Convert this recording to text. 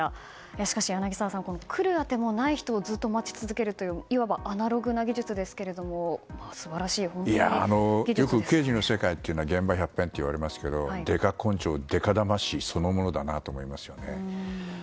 しかし柳澤さん来る当てもない人をずっと待ち続けるというアナログな技術ですがよく刑事の世界というのは現場百遍といわれますけどデカ根性、デカ魂そのものだと思いますね。